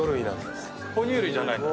哺乳類じゃないんだ。